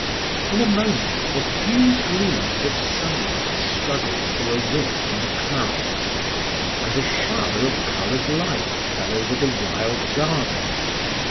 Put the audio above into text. In a moment a few gleams of sunlight struggled through a rift in the clouds, and a shower of colored light fell over the wild garden.